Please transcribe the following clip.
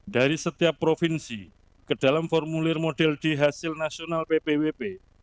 dari setiap provinsi ke dalam formulir model di hasil nasional ppwp